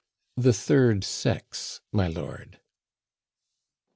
"The third sex, my Lord."